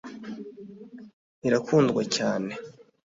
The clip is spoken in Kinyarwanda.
irakundwa cyane